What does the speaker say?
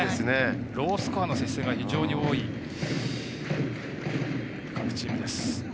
ロースコアの接戦が非常に多い、各チームです。